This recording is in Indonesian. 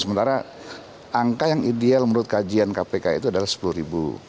sementara angka yang ideal menurut kajian kpk itu adalah sepuluh ribu